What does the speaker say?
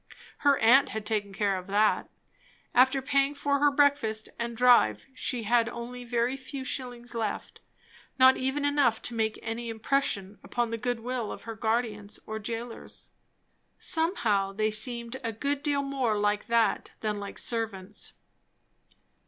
Her aunt had taken care of that. After paying for her breakfast and drive, she had only a very few shillings left; not even enough to make any impression upon the good will of her guardians, or jailers. Somehow they seemed a good deal more like that than like servants.